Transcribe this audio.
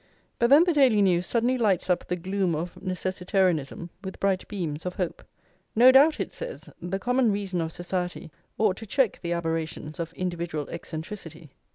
But then the Daily News suddenly lights up the gloom of necessitarianism with bright beams of hope. "No doubt," it says, "the common reason of society ought to check the aberrations of individual eccentricity."